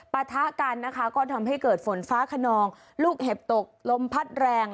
ปะทะกันนะคะก็ทำให้เกิดฝนฟ้าขนองลูกเห็บตกลมพัดแรง